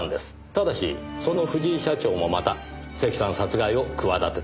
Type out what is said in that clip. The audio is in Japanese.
ただしその藤井社長もまた関さん殺害を企てていました。